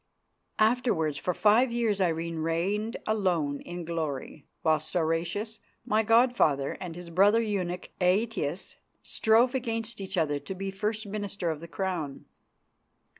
Afterwards for five years Irene reigned alone in glory, while Stauracius, my god father, and his brother eunuch, Aetius, strove against each other to be first Minister of the Crown.